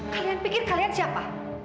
kalian pikir kalian siapa